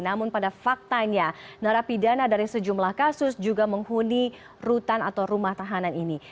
namun pada faktanya narapidana dari sejumlah kasus juga menghuni rutan atau rumah tahanan ini